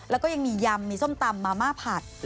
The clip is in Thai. แล้วก็ยังมียำมีส้มตำมาม่าผัด